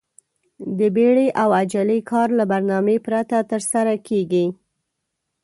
د بيړې او عجلې کار له برنامې پرته ترسره کېږي.